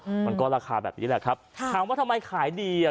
อืมมันก็ราคาแบบนี้แหละครับค่ะถามว่าทำไมขายดีอ่ะ